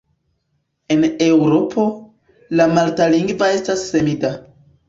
En Eŭropo, la malta lingvo estas semida.